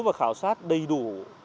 và khảo sát đầy đủ